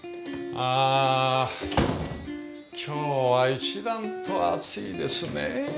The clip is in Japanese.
あ今日は一段と暑いですね。